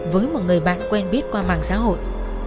với một người bạn quen biết qua mạng xã hội